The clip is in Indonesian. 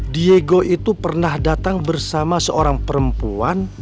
diego itu pernah datang bersama seorang perempuan